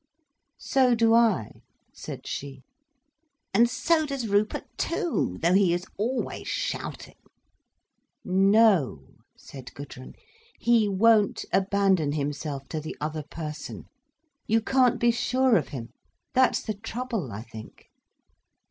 "So do I," said she. "And so does Rupert, too—though he is always shouting." "No," said Gudrun. "He won't abandon himself to the other person. You can't be sure of him. That's the trouble I think."